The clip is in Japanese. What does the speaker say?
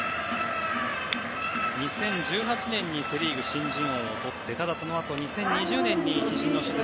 ２０１８年にセ・リーグ新人王をとってそのあと２０２０年にひじの手術